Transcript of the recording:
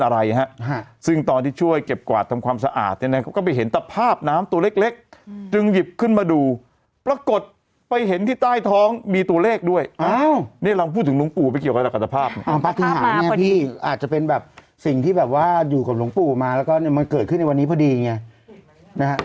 ร์โหอจากแตกตภาพแบบอะไรอาจจะเป็นแบบสิ่งที่แบบว่าอยู่คนลงปู่มาแล้วก็แล้วมันเกิดขึ้นวันนี้พอดีเนี่ยนะ